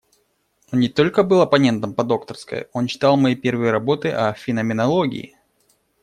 Он не только был оппонентом по докторской, он читал мои первые работы о феноменологии.